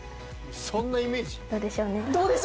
そんなイメージ？